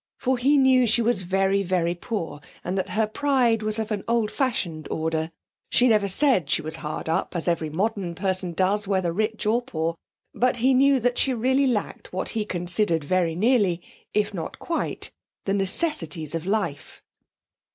For he knew she was very, very poor, and that her pride was of an old fashioned order she never said she was hard up, as every modern person does, whether rich or poor, but he knew that she really lacked what he considered very nearly if not quite the necessities of life.